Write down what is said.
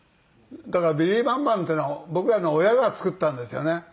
だからビリー・バンバンっていうのは僕らの親が作ったんですよね。